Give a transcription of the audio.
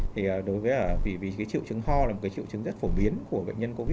thì đối với vì cái triệu chứng ho là một cái triệu chứng rất phổ biến của bệnh nhân covid một mươi chín